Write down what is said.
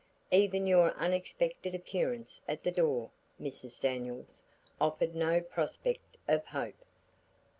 Even your unexpected appearance at the door, Mrs. Daniels, offered no prospect of hope.